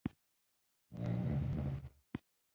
• خدمتګاري د انسان تر ټولو لوی ویاړ دی.